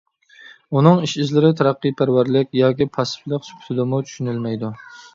ئۇنىڭ ئىش ئىزلىرى تەرەققىيپەرۋەرلىك ياكى پاسسىپلىق سۈپىتىدىمۇ چۈشىنىلمەيدۇ.